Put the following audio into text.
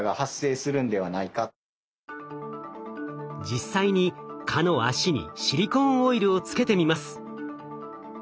実際に蚊の脚にシリコーンオイルをつけてみます。